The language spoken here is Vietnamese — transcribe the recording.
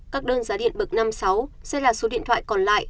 các đơn giá điện bậc năm sáu sẽ là số điện thoại còn lại